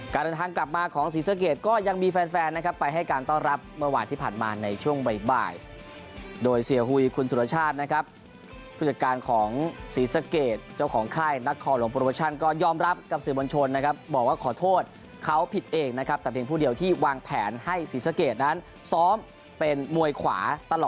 เดินทางกลับมาของศรีสะเกดก็ยังมีแฟนแฟนนะครับไปให้การต้อนรับเมื่อวานที่ผ่านมาในช่วงบ่ายโดยเสียหุยคุณสุรชาตินะครับผู้จัดการของศรีสะเกดเจ้าของค่ายนักคอหลวงโปรโมชั่นก็ยอมรับกับสื่อมวลชนนะครับบอกว่าขอโทษเขาผิดเองนะครับแต่เพียงผู้เดียวที่วางแผนให้ศรีสะเกดนั้นซ้อมเป็นมวยขวาต